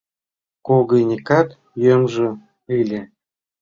Когынекат йомжо ыле.